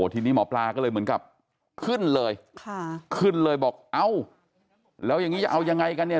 ทีนี้หมอปลาก็เลยเหมือนกับขึ้นเลยค่ะขึ้นเลยบอกเอ้าแล้วอย่างนี้จะเอายังไงกันเนี่ย